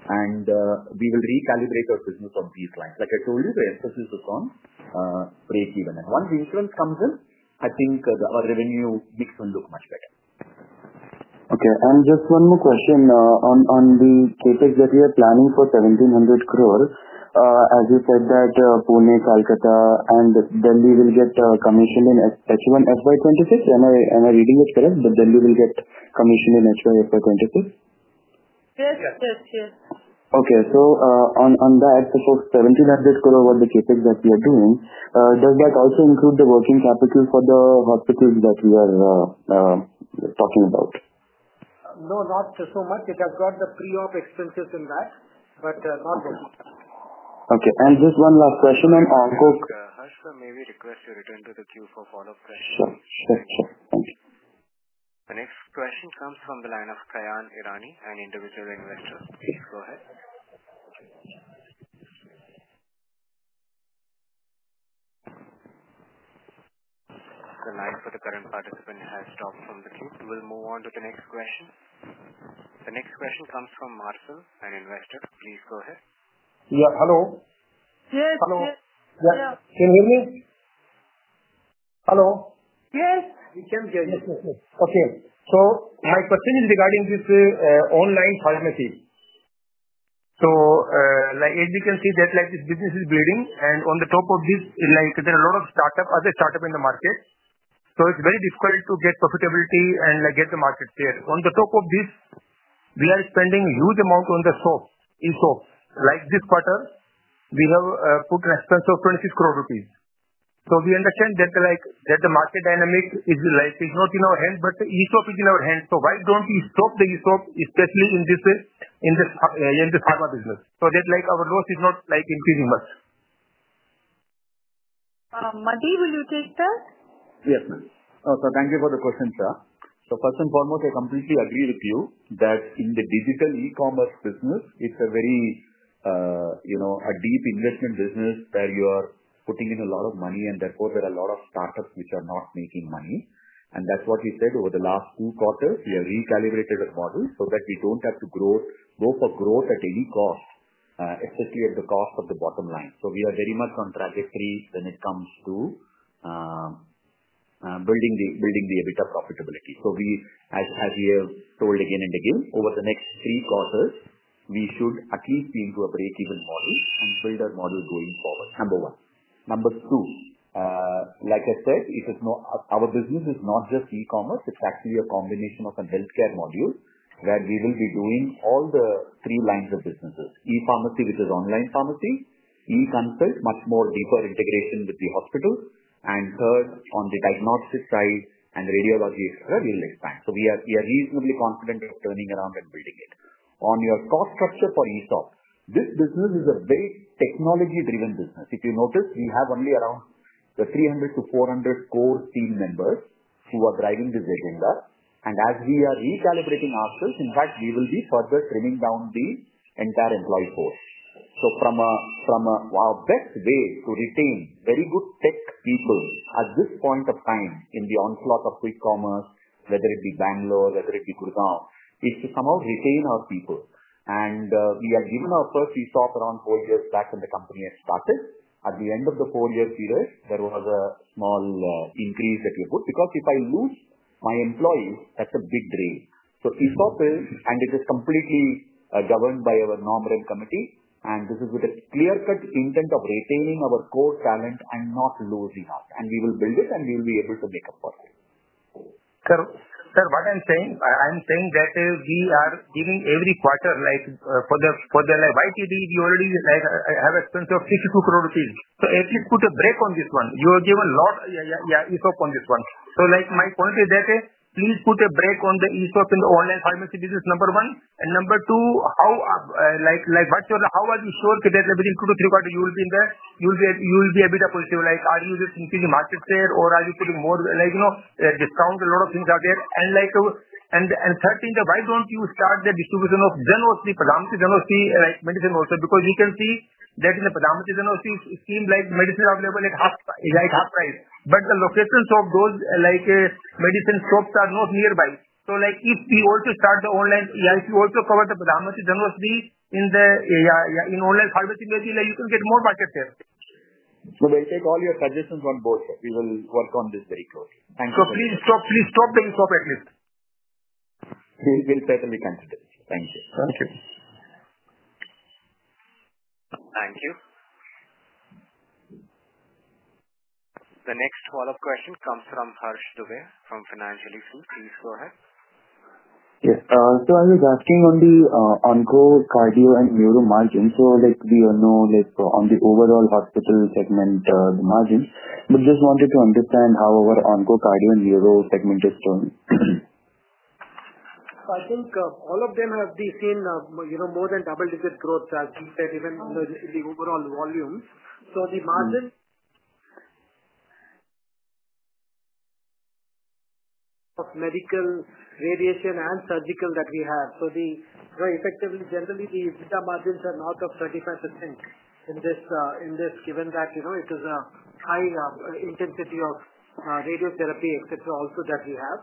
And we will recalibrate our business on these lines. Like I told you, the emphasis is on break-even, and once the insurance comes in, I think our revenue mix will look much better. Okay. And just one more question on the CapEx that we are planning for 1,700 crore. As you said that Pune, Kolkata, and Delhi will get commissioned in HY 2026. Am I reading it correct? But Delhi will get commissioned in HY 2026? Yes. Yes. Yes. Okay. So on that, so for 1,700 crore over the CapEx that we are doing, does that also include the working capital for the hospitals that we are talking about? No, not so much. It has got the pre-op expenses in that, but not working. Okay. And just one last question, ma'am. Okay. Harsh sir, may we request you return to the queue for follow-up questions? Sure. Thank you. The next question comes from the line of Kayan Irani, an individual investor. Please go ahead. The line for the current participant has dropped from the queue. We will move on to the next question. The next question comes from Marcel, an investor. Please go ahead. Yeah. Hello. Yes. Hello. Yes. Can you hear me? Hello. Yes. We can hear you. Yes. Yes. Okay. So my question is regarding this online pharmacy. So as we can see, this business is bleeding. And on the top of this, there are a lot of other startups in the market. So it's very difficult to get profitability and get the market share. On the top of this, we are spending a huge amount on the ESOP. This quarter, we have put an expense of 26 crore rupees. So we understand that the market dynamic is not in our hand, but ESOP is in our hands. So why don't we stop the ESOP, especially in the pharma business, so that our loss is not increasing much? Madhi, will you take that? Yes, ma'am. So thank you for the question, sir. So first and foremost, I completely agree with you that in the digital e-commerce business, it's a very deep investment business where you are putting in a lot of money, and therefore, there are a lot of startups which are not making money. And that's what we said over the last two quarters. We have recalibrated the model so that we don't have to go for growth at any cost, especially at the cost of the bottom line. So we are very much on trajectory when it comes to building the EBITDA profitability. So as we have told again and again, over the next three quarters, we should at least be into a break-even model and build our model going forward. Number one. Number two, like I said, our business is not just e-commerce. It's actually a combination of a healthcare module where we will be doing all the three lines of businesses: e-pharmacy, which is online pharmacy, e-consult, much more deeper integration with the hospital, and third, on the diagnostic side and radiology, etc., we will expand. So we are reasonably confident of turning around and building it. On your cost structure for e-shop, this business is a very technology-driven business. If you notice, we have only around the 300-400 core team members who are driving this agenda. And as we are recalibrating ourselves, in fact, we will be further trimming down the entire employee force. So from our best way to retain very good tech people at this point of time in the onslaught of quick commerce, whether it be Bengaluru, whether it be Gurugram, is to somehow retain our people. We have given our first ESOP around four years back when the company had started. At the end of the four-year period, there was a small increase that we put because if I lose my employees, that's a big drain. So ESOP is, and it is completely governed by our Nom & Rem committee. This is with a clear-cut intent of retaining our core talent and not losing us. We will build it, and we will be able to make a profit. Sir, what I'm saying, I'm saying that we are giving every quarter for the YTD, we already have an expense of 62 crore rupees. So at least put a break on this one. You have given a lot of ESOP on this one. So my point is that please put a break on the ESOP in the online pharmacy business, number one. And number two, how are you sure that within two to three quarters, you will be in there? You will be a bit of a positive. Are you just increasing market share, or are you putting more discount? A lot of things are there. And third, why don't you start the distribution of pharmacy medicine also? Because we can see that in the pharmacy medicine scheme, medicines are available at half price. But the locations of those medicine shops are not nearby. So if we also start the online, if you also cover the pharmacy in online pharmacy, maybe you can get more market share. So we'll take all your suggestions on both. We will work on this very closely. Thank you. So please stop the ESOP at least. We'll certainly consider it. Thank you. Thank you. Thank you. The next follow-up question comes from Harsh Dugar from Eastern Financiers. Please go ahead. Yes. So I was asking on the onco, cardio, and neuro margins. So we know on the overall hospital segment, the margins. But just wanted to understand how our onco, cardio, and neuro segment is doing. I think all of them have seen more than double-digit growth, as we said, even in the overall volume. So the margin of medical, radiation, and surgical that we have. So effectively, generally, the EBITDA margins are north of 35% in this, given that it is a high intensity of radiotherapy, etc., also that we have.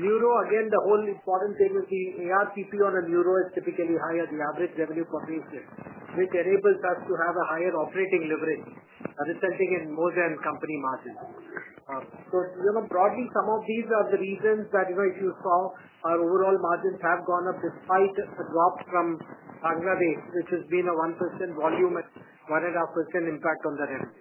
Neuro, again, the whole important thing is the ARPP on a neuro is typically higher, the average revenue per patient, which enables us to have a higher operating leverage, resulting in more than company margins. So broadly, some of these are the reasons that if you saw, our overall margins have gone up despite a drop from Bangladesh, which has been a 1% volume and 1.5% impact on the revenue.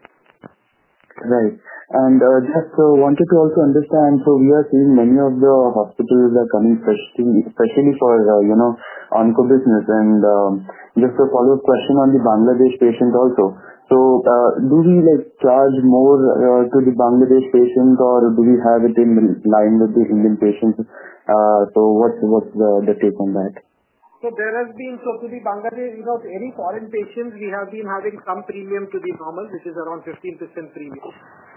Right. And just wanted to also understand, so we are seeing many of the hospitals are coming, especially for onco business. And just a follow-up question on the Bangladesh patient also. So do we charge more to the Bangladesh patient, or do we have it in line with the Indian patients? So what's the take on that? So, there has been so to the Bangladesh any foreign patients. We have been having some premium to the normal, which is around 15% premium.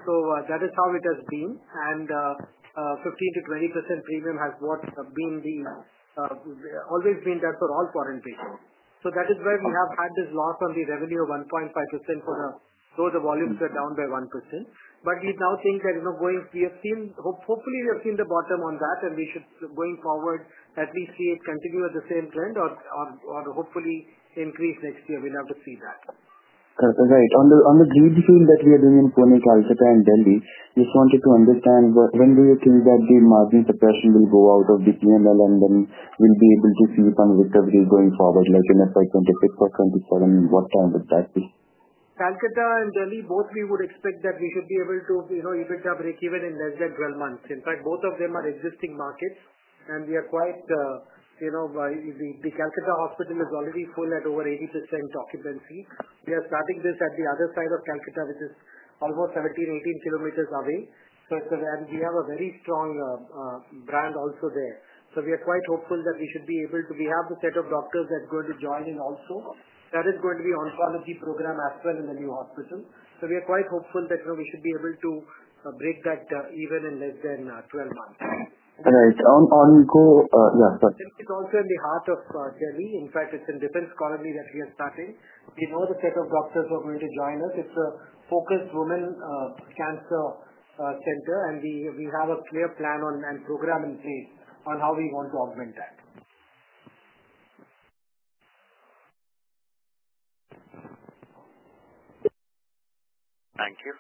So that is how it has been. And 15%-20% premium has always been there for all foreign patients. So that is why we have had this loss on the revenue of 1.5% for those volumes that are down by 1%. But we now think that going we have seen hopefully, we have seen the bottom on that, and we should, going forward, at least continue at the same trend or hopefully increase next year. We'll have to see that. Right. On the brownfield that we are doing in Pune, Kolkata, and New Delhi, just wanted to understand, when do you think that the margin suppression will go out of the P&L, and then we'll be able to see some recovery going forward, like in FY 2026 or FY 2027? What time would that be? Kolkata and Delhi, both, we would expect that we should be able to hit a break-even in less than 12 months. In fact, both of them are existing markets, and we are quite the Kolkata hospital is already full at over 80% occupancy. We are starting this at the other side of Kolkata, which is almost 17-18 kilometers away. And we have a very strong brand also there. We are quite hopeful that we should be able to. We have the set of doctors that are going to join in also. There is going to be oncology program as well in the new hospital. We are quite hopeful that we should be able to break even in less than 12 months. Right. Onco, yeah, sorry. It's also in the heart of Delhi. In fact, it's in Defence Colony that we are starting. We know the set of doctors who are going to join us. It's a focused women's cancer center, and we have a clear plan and program in place on how we want to augment that. Thank you.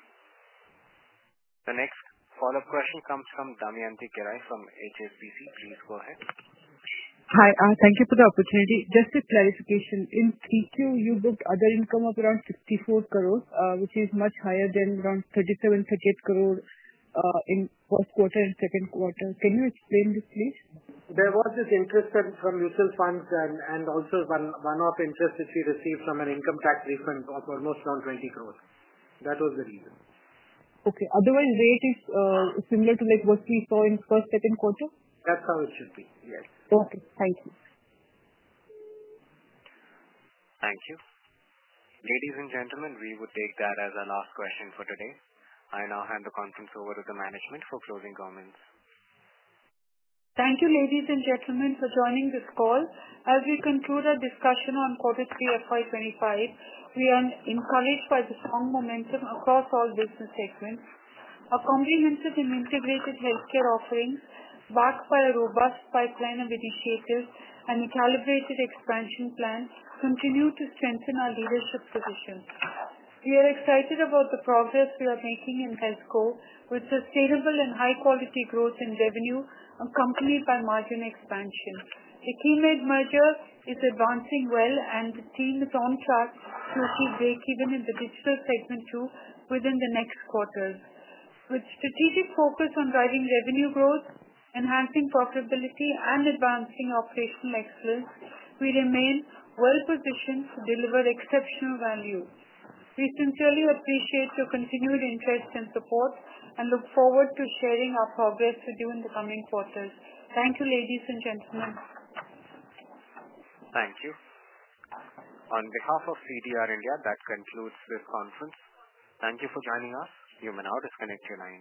The next follow-up question comes from Damayanti Kerai from HSBC. Please go ahead. Hi. Thank you for the opportunity. Just a clarification. In Q3, you booked other income of around 64 crore, which is much higher than around 37 crore-38 crore in first quarter and second quarter. Can you explain this, please? There was this interest from mutual funds and also one-off interest which we received from an income tax refund of almost around 20 crore. That was the reason. Okay. Otherwise, rate is similar to what we saw in first, second quarter? That's how it should be. Yes. Okay. Thank you. Thank you. Ladies and gentlemen, we would take that as our last question for today. I now hand the conference over to the management for closing comments. Thank you, ladies and gentlemen, for joining this call. As we conclude our discussion on quarter three, FY 2025, we are encouraged by the strong momentum across all business segments. Our comprehensive and integrated healthcare offerings, backed by a robust pipeline of initiatives and a calibrated expansion plan, continue to strengthen our leadership positions. We are excited about the progress we are making in HealthCo, with sustainable and high-quality growth in revenue accompanied by margin expansion. The Keimed merger is advancing well, and the team is on track to achieve break-even in the digital segment too within the next quarter. With strategic focus on driving revenue growth, enhancing profitability, and advancing operational excellence, we remain well-positioned to deliver exceptional value. We sincerely appreciate your continued interest and support and look forward to sharing our progress with you in the coming quarters. Thank you, ladies and gentlemen. Thank you. On behalf of CDR India, that concludes this conference. Thank you for joining us. You may now disconnect your line.